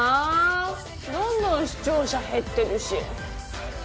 どんどん視聴者減ってるし。